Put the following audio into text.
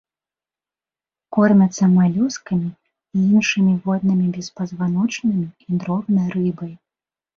Кормяцца малюскамі і іншымі воднымі беспазваночнымі і дробнай рыбай.